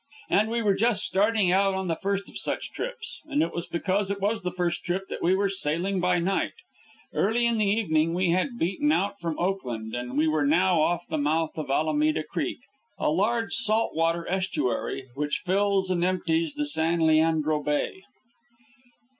And we were just starting out on the first of such trips, and it was because it was the first trip that we were sailing by night. Early in the evening we had beaten out from Oakland, and we were now off the mouth of Alameda Creek, a large salt water estuary which fills and empties San Leandro Bay.